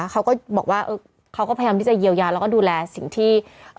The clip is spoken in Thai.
เขาก็บอกว่าเขาก็พยายามที่จะเยียวยาแล้วก็ดูแลสิ่งที่